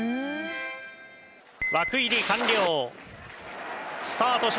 枠入り完了。スタートしました。